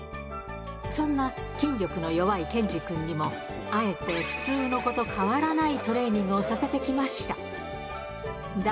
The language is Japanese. そんな筋力の弱いケンジくんにも、あえて普通の子と変わらないトレーニングをさせてきました。